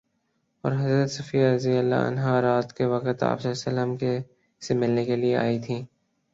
اور حضرت صفیہ رضی اللہ عنہا رات کے وقت آپ صلی اللہ علیہ وسلم سے ملنے کے لیے آئی تھیں